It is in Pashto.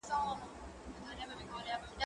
ايا ته سندري اورې.